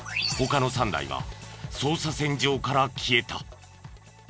他の３台は捜査線上から消えた。